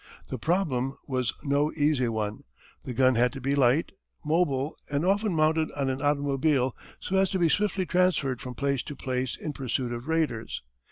The problem was no easy one. The gun had to be light, mobile, and often mounted on an automobile so as to be swiftly transferred from place to place in pursuit of raiders.